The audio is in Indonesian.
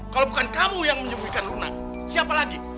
kalau bukan kamu yang menyembuhkan luna siapa lagi